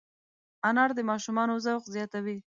انار د ماشومانو ذوق زیاتوي.